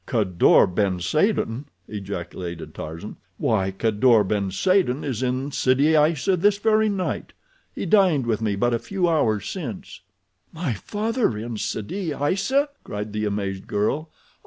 "Kadour ben Saden!" ejaculated Tarzan. "Why, Kadour ben Saden is in Sidi Aissa this very night. He dined with me but a few hours since." "My father in Sidi Aissa?" cried the amazed girl.